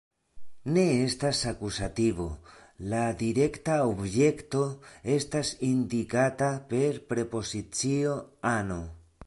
Ne estas akuzativo, la direkta objekto estas indikata per prepozicio "ano".